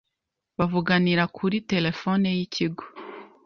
bavuganira kuri telefoni y’ikigo,